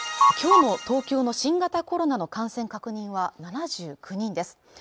今日の東京の新型コロナの感染拡大は７９人です。